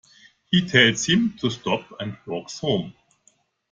He tells him to stop, and walks home.